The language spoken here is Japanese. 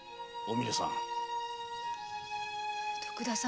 徳田様。